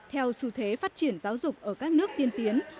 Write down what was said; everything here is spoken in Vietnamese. theo xu thế phát triển giáo dục ở các nước tiên tiến